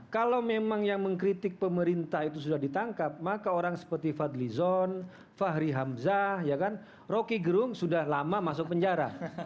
kalau memang yang mengkritik pemerintah itu sudah ditangkap maka orang seperti fadli zon fahri hamzah rocky gerung sudah lama masuk penjara